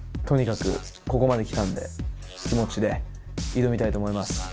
とにかくここまで来たので、気持ちで挑みたいと思います。